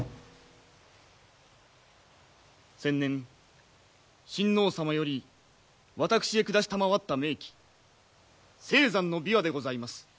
先年親王様より私へ下したまわった名器青山の琵琶でございます。